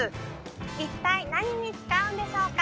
一体何に使うんでしょうか？